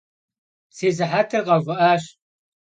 Si sıhetır kheuvı'aş.